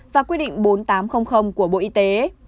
và quy định bốn nghìn tám trăm linh của bộ y tế